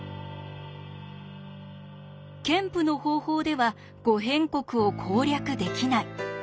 ケンプの方法では「五辺国」を攻略できない。